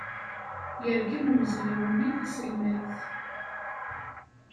Yergem umezraw-nni taselmadt.